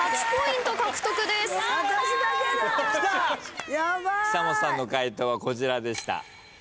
久本さんの解答はこちらでした。